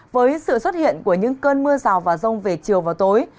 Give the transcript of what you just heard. với sự xuất hiện của những cơn mưa rào và rông về chiều và tối